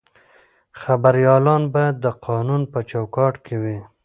خبریالان باید د قانون په چوکاټ کې وي.